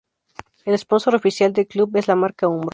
El sponsor oficial del club es la marca Umbro.